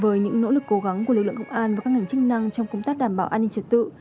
với những nỗ lực cố gắng của lực lượng công an và các ngành chức năng trong công tác đảm bảo an ninh trật tự